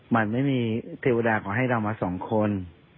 มันไม่มีเทวดาขอให้เรามาสองคน